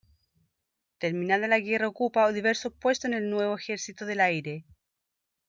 Terminada la guerra ocupa diversos puestos en el nuevo Ejercito del Aire.